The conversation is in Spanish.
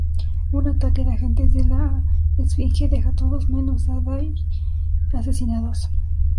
Un ataque de agentes de la Esfinge deja a todos menos a Dwayne asesinados.